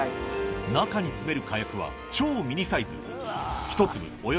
中に詰める火薬は超ミニサイズ